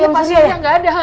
iya pak surya gak ada